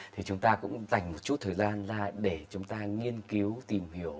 thì chúng ta cũng dành một chút thời gian ra để chúng ta nghiên cứu tìm hiểu